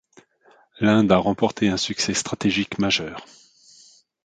L'Inde a remporté un succès stratégique majeur.